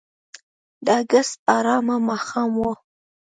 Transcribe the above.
د اګست آرامه ماښام و.